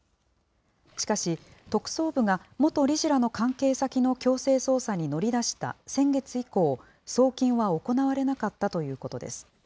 しかし、特捜部が元理事らの関係先の強制捜査に乗り出した先月以降、送金は行われなかったということです。